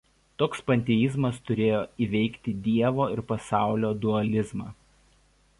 Toks panteizmas turėjo įveikti Dievo ir pasaulio dualizmą.